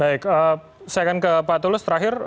baik saya akan ke pak tulus terakhir